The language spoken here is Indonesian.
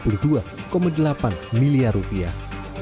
berdua koma delapan miliar rupiah